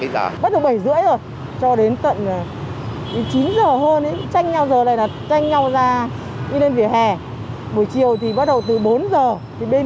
táp được hẳn vào hẳn